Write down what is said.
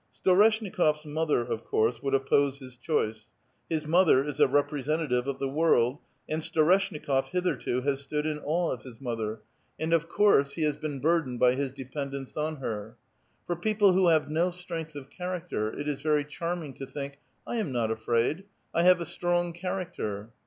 Storesh nikofs mother, of course, would oppose his choice ; his mother is a representative of the world, and Storeshnikof hitherto has stood in awe of his mother, and of course he has A VITAL QUESTION. 43 been burdened by his dependence on her. For people who have no strength of character it is very charming to think, "■I am not afraid, I have a strong character."